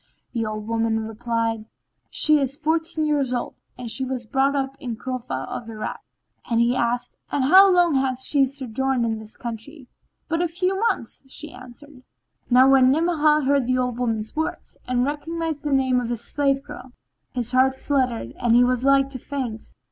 The old woman replied "She is fourteen years old and she was brought up in Cufa of Irak." He asked, "And how long hath she sojourned in this country?" "But a few months," answered she. Now when Ni'amah heard the old woman's words and recognised the name of his slave girl, his heart fluttered and he was like to faint.